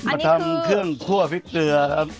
มาทำเครื่องคั่วพริกเกลือครับ